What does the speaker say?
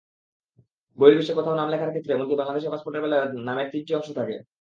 বহির্বিশ্বে কোথাও নাম লেখার ক্ষেত্রে, এমনকি বাংলাদেশ পাসপোর্টের বেলায়ও নামের তিনটি অংশ থাকে।